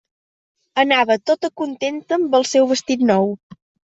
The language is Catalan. Anava tota contenta amb el seu vestit nou.